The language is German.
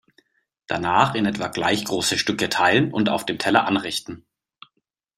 Danach in etwa gleich große Stücke teilen und auf dem Teller anrichten.